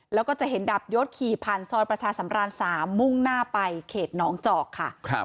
แล้วก็จะเห็นดาบยศขี่ผ่านซอยประชาสำราน๓มุ่งหน้าไปเขตหนองจอกค่ะ